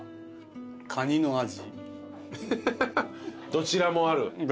どちらもある。